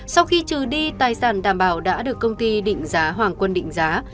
sau khi trừ đi tài sản đảm bảo đã được công ty định giá hoàng quân định giá